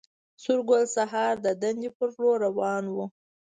سورګل سهار د دندې پر لور روان و